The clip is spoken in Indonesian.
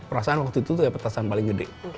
perasaan waktu itu ya petasan paling gede